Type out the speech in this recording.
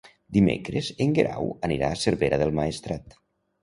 Dimecres en Guerau anirà a Cervera del Maestrat.